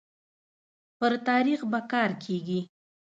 پر تاريخ به کار کيږي